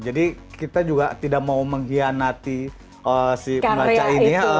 jadi kita juga tidak mau mengkhianati si pembaca ini